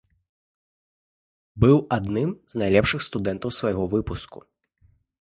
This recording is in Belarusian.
Быў адным з найлепшых студэнтаў свайго выпуску.